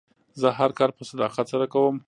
زه هر کار په صداقت سره کوم.